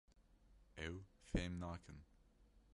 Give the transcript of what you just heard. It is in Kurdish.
Ew fêm nakin.